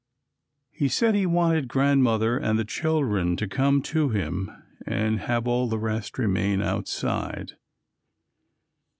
He said he wanted "Grandmother and the children to come to him and have all the rest remain outside."